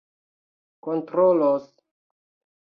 kontrolos